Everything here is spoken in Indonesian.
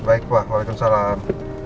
baik pak waalaikumsalam